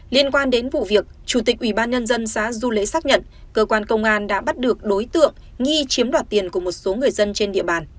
liên quan đến vụ việc chủ tịch ubnd xã du lễ xác nhận cơ quan công an đã bắt được đối tượng nghi chiếm đoạt tiền của một số người dân trên địa bàn